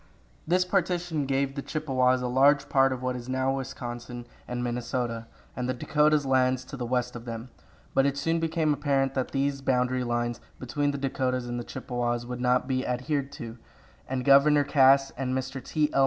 This partition gave the Chippewas a large part of what is now Wisconsin and Minnesota, and the Dakotas lands to the west of them; but it soon became apparent that these boundary lines between the Dakotas and the Chippewas would not be adhered to, and Governor Cass and Mr. T. L.